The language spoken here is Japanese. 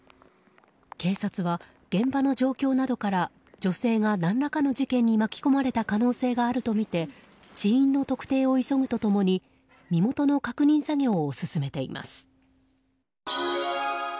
警察は、現場の状況などから女性が何らかの事件に巻き込まれた可能性があるとみて死因の特定を急ぐと共に身元の確認作業を進めています。